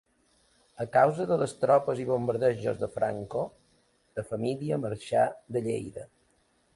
A causa de les tropes i bombardejos de Franco, la família marxà de Lleida.